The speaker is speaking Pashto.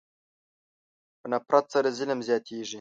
په نفرت سره ظلم زیاتېږي.